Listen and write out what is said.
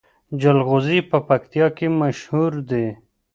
جلغوزي په پکتیا کې مشهور دي